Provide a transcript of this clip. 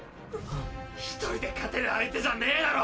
１人で勝てる相手じゃねぇだろ！